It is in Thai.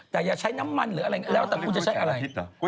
แต่อย่าใช้น้ำมันหรืออะไรแล้วแต่คุณจะใช้อะไร